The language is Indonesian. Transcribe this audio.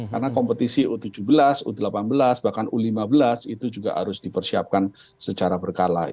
karena kompetisi u tujuh belas u delapan belas bahkan u lima belas itu juga harus dipersiapkan secara berkala